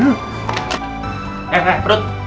eh eh perut